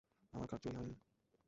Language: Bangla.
আমার কার্ড চুরি হয়নি।